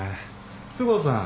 須郷さん。